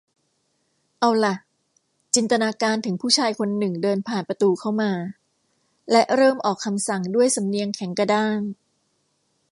เอาหล่ะ จินตนาการถึงผู้ชายคนหนึ่งเดินผ่านประตูเข้ามา และเริ่มออกคำสั่งด้วยสำเนียงแข็งกระด้าง